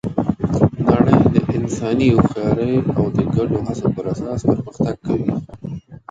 نړۍ د انساني هوښیارۍ او د ګډو هڅو پر اساس پرمختګ کوي.